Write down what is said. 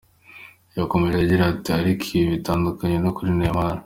Yakomeje agira ati: “Ariko ibi bitandukanye no kuri Neymar.